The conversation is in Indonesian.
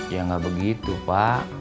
ya nggak begitu pak